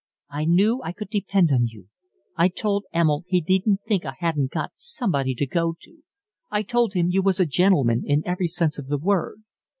"I knew I could depend on you. I told Emil he needn't think I hadn't got somebody to go to. I told him you was a gentleman in every sense of the word."